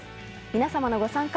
皆様のご参加